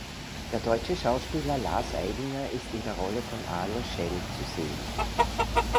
Der deutsche Schauspieler Lars Eidinger ist in der Rolle von Arlo Shell zu sehen.